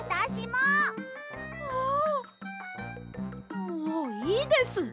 もういいです！